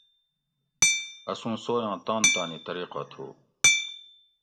اسوں سویاں تان تانی طریقہ تھو